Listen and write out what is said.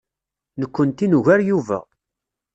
Nekkenti nugar Yuba.